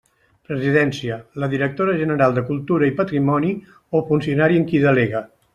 Presidència: la directora general de Cultura i Patrimoni o funcionari en qui delegue.